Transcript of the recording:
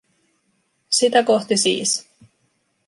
Sitä kohti siis.